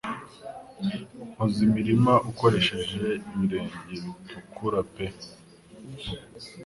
Kwoza imirima ukoresheje ibirenge bitukura pe